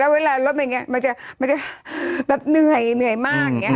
แต่เวลารถมันอย่างนี้มันจะเหนื่อยมาก